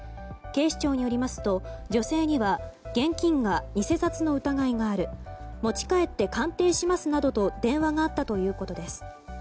警視庁によりますと女性には現金が偽札の疑いがある持ち帰って鑑定しますなどと電話があったということです。